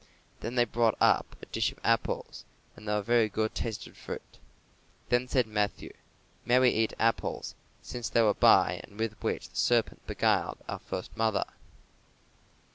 Then they brought up a dish of apples, and they were very good tasted fruit. Then said Matthew, "May we eat apples, since they were such by and with which the serpent beguiled our first mother?"